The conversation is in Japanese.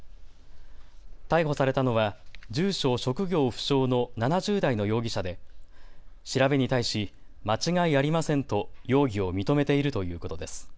逮捕されたのは住所・職業不詳の７０代の容疑者で調べに対し間違いありませんと容疑を認めているということです。